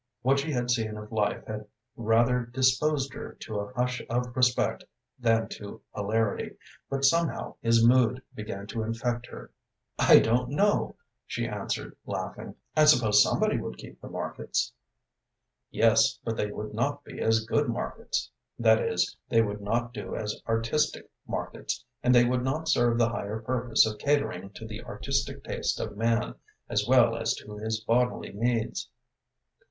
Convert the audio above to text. What she had seen of life had rather disposed her to a hush of respect than to hilarity, but somehow his mood began to infect her. "I don't know," she answered, laughing, "I suppose somebody would keep the markets." "Yes, but they would not be as good markets. That is, they would not do as artistic markets, and they would not serve the higher purpose of catering to the artistic taste of man, as well as to his bodily needs."